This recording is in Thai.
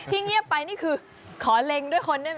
พี่เงียบไปนี่คือขอเหร่งด้วยคนน่ะไหมค่ะ